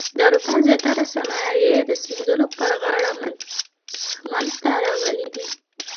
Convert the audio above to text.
د اروپا زیاتره صنایع د سیندونو پر غاړه منځته راغلي دي.